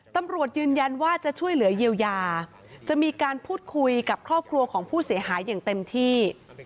ตำรวจยืนยันว่าจะช่วยเหลือเยียวยาจะมีการพูดคุยกับครอบครัวของผู้เสียหายอย่างเต็มที่